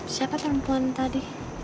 siapa perempuan tadi